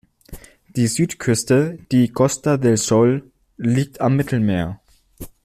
Die Südküste, die Costa del Sol, liegt am Mittelmeer.